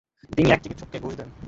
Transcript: তিনি এক চিকিৎসককে ঘুষ দেন।